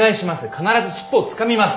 必ず尻尾をつかみます。